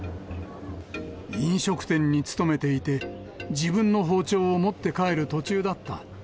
飲食店に勤めていて、自分の包丁を持って帰る途中だった。